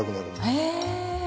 へえ。